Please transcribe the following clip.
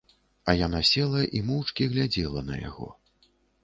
А яна села і моўчкі глядзела на яго.